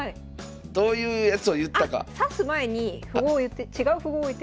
どういうやつを言ったか。